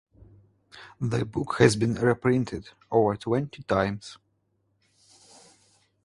The book has been reprinted over twenty times.